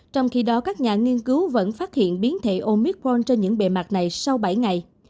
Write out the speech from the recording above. trong khi đó các nhà nghiên cứu vẫn phát hiện biến thể omicron trên những bề mặt này sau bảy ngày